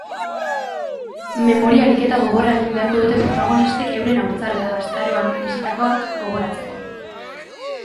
Memoria ariketa gogorra egin beharko dute protagonistek euren haurtzaro eta gaztaroan bizitakoak gogoratzeko.